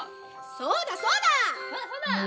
そうだそうだ！